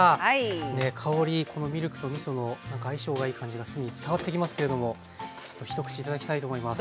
香りこのミルクとみその相性がいい感じが伝わってきますけれどもちょっと一口頂きたいと思います。